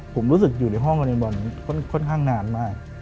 ผมรู้สึกอยู่ในนบอลค่อนข้างหน้ามั้ย